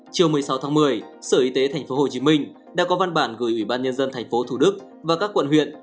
chiều một mươi sáu tháng một mươi sở y tế tp hcm đã có văn bản gửi ủy ban nhân dân tp thủ đức và các quận huyện